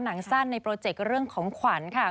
หนังสั้นในโปรเจกต์เรื่องของขวัญค่ะ